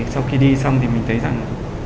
sau khi đi xong thì mình thấy rằng